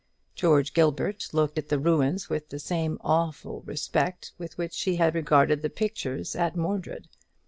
George Gilbert looked at the ruins with the same awful respect with which he had regarded the pictures at Mordred.